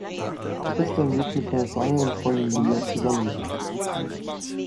Tristan lebt mit seiner schwangeren Freundin Julia zusammen.